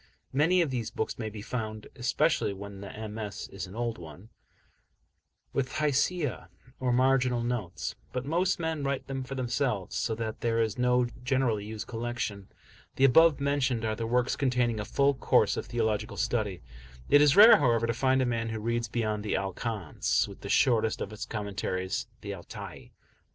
Many of these books may be found especially when the MS. is an old one with Hashiyah, or marginal notes, but most men write them for themselves, so that there is no generally used collection. The above mentioned are the works containing a full course of theological study; it is rare, however, to find a man who reads beyond the "Al Kanz," with the shortest of its commentaries, the "Al Tai."